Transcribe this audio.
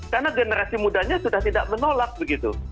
karena generasi mudanya sudah tidak menolak begitu